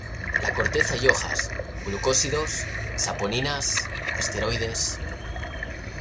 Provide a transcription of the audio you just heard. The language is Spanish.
La corteza y hojas: glucósidos, saponinas, esteroides.